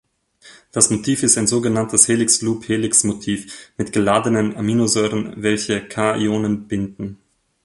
Das Motiv ist ein sogenanntes Helix-Loop-Helix-Motiv mit geladenen Aminosäuren, welche Ca-Ionen binden.